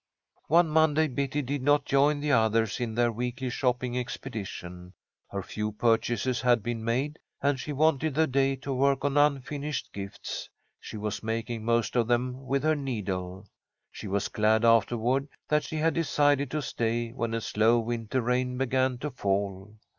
One Monday Betty did not join the others in their weekly shopping expedition. Her few purchases had been made, and she wanted the day to work on unfinished gifts. She was making most of them with her needle. She was glad afterward that she had decided to stay when a slow winter rain began to fall.